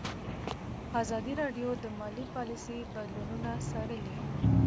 ازادي راډیو د مالي پالیسي بدلونونه څارلي.